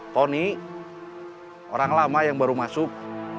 tony orang lama yang baru masuk